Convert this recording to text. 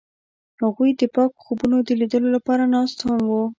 هغوی د پاک خوبونو د لیدلو لپاره ناست هم وو.